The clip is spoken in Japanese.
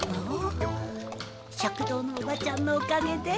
食堂のおばちゃんのおかげで。